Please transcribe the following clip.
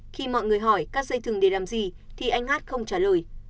khi mọi người hỏi các dây thừng để làm gì thì anh hát không trả lời